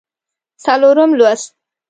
څلورم لوست